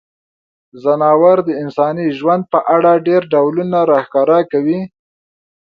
ځناور د انساني ژوند په اړه ډیری ډولونه راښکاره کوي.